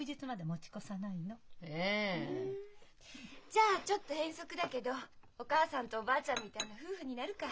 じゃあちょっと変則だけどお母さんとおばあちゃんみたいな夫婦になるか。